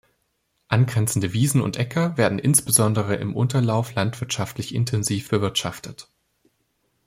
Angrenzende Wiesen und Äcker werden insbesondere im Unterlauf landwirtschaftlich intensiv bewirtschaftet.